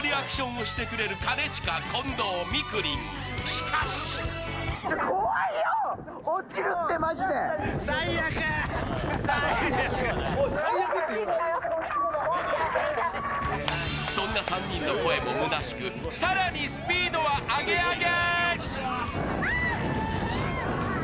しかしそんな３人の声もむなしく更にスピードはアゲアゲ！